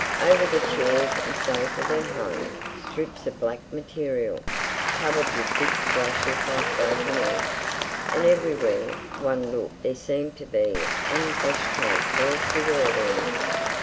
Over the chairs and sofa there hung strips of black material, covered with big splashes like broken eggs, and everywhere one looked there seemed to be an ash tray full of cigarette ends.